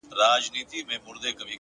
هره رڼا له کوچنۍ ځلا پیلېږي.